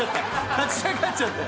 立ち上がっちゃったよ。